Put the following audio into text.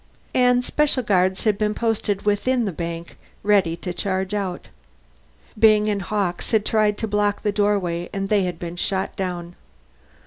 And special guards had been posted within the bank, ready to charge out. Byng and Hawkes had tried to block the doorway and they had been shot down.